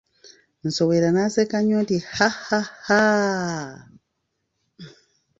Nsowera n'aseka nnyo nti, ha ha haaaaa!